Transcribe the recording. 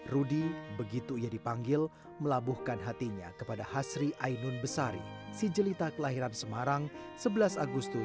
rudy begitu ia dipanggil melabuhkan hatinya kepada hasri ainun besari si jelita kelahiran semarang sebelas agustus seribu sembilan ratus tiga puluh tujuh